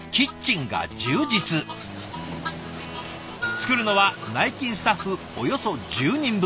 作るのは内勤スタッフおよそ１０人分。